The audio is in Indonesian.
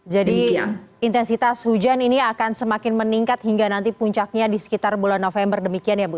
jadi intensitas hujan ini akan semakin meningkat hingga nanti puncaknya di sekitar bulan november demikian ya bu